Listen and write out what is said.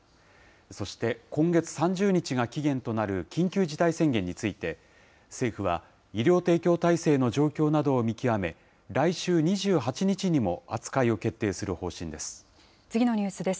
そして、今月３０日が期限となる緊急事態宣言について、政府は医療提供体制の状況などを見極め、来週２８日にも扱いを決定する方針です。